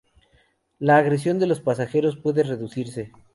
La agresión de los pasajeros puede reducirse.